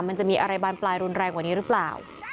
มันจะมีอะไรบานปลายรุนแรงกว่านี้หรือเปล่า